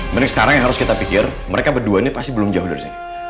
mending sekarang yang harus kita pikir mereka berdua ini pasti belum jauh dari sini